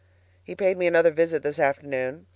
He paid me another visit this afternoon.